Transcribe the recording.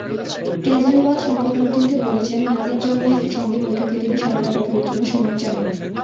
কেজরিওয়াল সংবাদমাধ্যমকে বলেছেন, নাজিব জংয়ের সঙ্গে বৈঠকে তিনি সরকার গঠনের জন্য সময় চাননি।